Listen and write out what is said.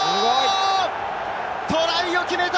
トライを決めた！